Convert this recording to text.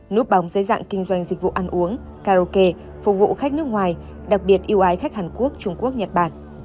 núp bóng dưới dạng kinh doanh dịch vụ ăn uống karaoke phục vụ khách nước ngoài đặc biệt yêu ái khách hàn quốc trung quốc nhật bản